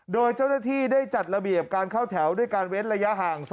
โดยเจ้าหน้าที่ได้จัดระเบียบการเข้าแถวด้วยการเว้นระยะห่าง